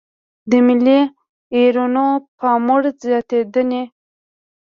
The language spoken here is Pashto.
د ملي ايرونو پاموړ زياتېدنې.